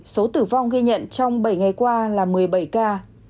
số tử vong ghi nhận trong bảy ngày qua là một mươi bảy ca